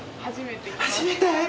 初めて？